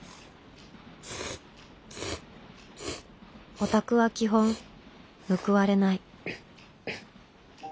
オタクは基本報われない